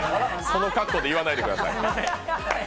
その格好で言わないでください。